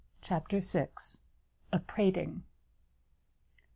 CHAPTER vi. A PRATING.